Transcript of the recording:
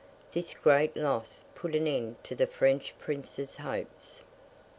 This great loss put an end to the French Prince's hopes.